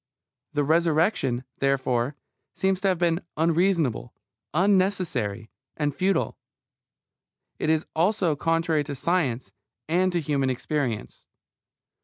The Resurrection, therefore, seems to have been unreasonable, unnecessary, and futile. It is also contrary to science and to human experience.